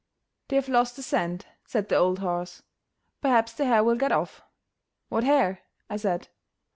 "They have lost the scent," said the old horse; "perhaps the hare will get off." "What hare?" I said.